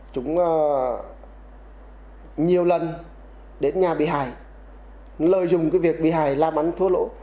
chúng nhiều lần đến nhà bị hài lợi dụng việc bị hài làm ăn thuốc lỗ